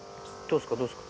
どうですか？